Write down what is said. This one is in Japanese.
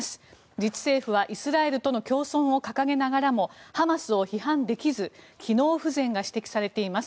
自治政府はイスラエルとの共存を掲げながらもハマスを批判できず機能不全が指摘されています。